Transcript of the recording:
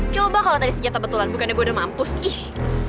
coba kalau tadi senjata betulan bukannya gue udah mampus ih